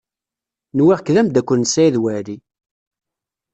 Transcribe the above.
Nwiɣ-k d amdakel n Saɛid Waɛli.